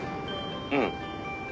うん。